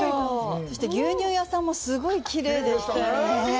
そして、牛乳屋さんも、すごいきれいでしたよね。